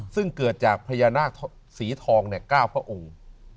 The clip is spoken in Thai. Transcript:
ซึ่งเกิดจากพญานาคสีทอง๙พระองค์